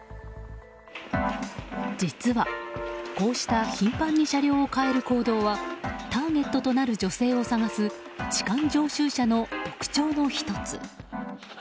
実は、こうした頻繁に車両を変える行動はターゲットとなる女性を探す痴漢常習者の特徴の１つ。